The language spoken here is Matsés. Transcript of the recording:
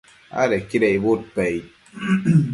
adequida icbudpec aid